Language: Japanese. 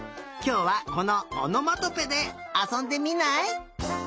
きょうはこのおのまとぺであそんでみない？